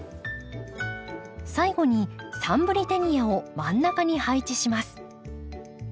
最後にサンブリテニアを真ん中に配置します。